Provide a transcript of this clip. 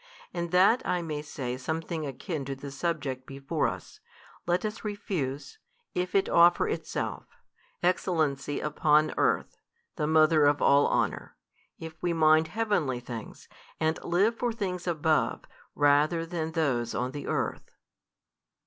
And that I may say something akin to the subject before us, let us refuse, if it offer itself, excellency upon earth, the mother of all honour, if we mind heavenly things, and live for things above rather than those on the earth.